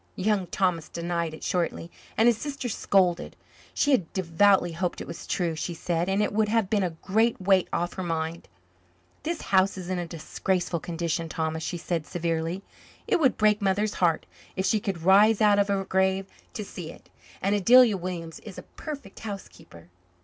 Young Thomas denied it shortly, and his sister scolded. She had devoutly hoped it was true, she said, and it would have been a great weight off her mind. "This house is in a disgraceful condition, Thomas," she said severely. "It would break Mother's heart if she could rise out of her grave to see it. And Adelia Williams is a perfect housekeeper."